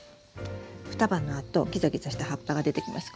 双葉のあとギザギザした葉っぱが出てきます。